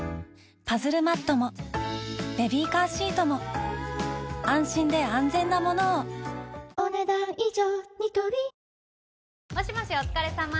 パズルマットもベビーカーシートも安心で安全なものをお、ねだん以上。